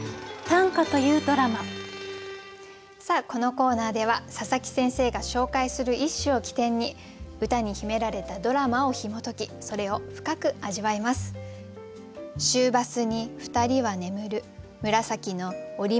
このコーナーでは佐佐木先生が紹介する一首を起点に歌に秘められたドラマをひも解きそれを深く味わいます。